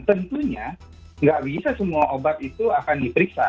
tentunya nggak bisa semua obat itu akan diperiksa